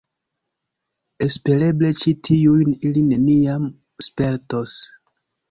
Espereble ĉi tiujn ili neniam spertos.